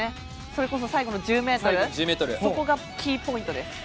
それこそ最後の１０ｍそこがキーポイントです。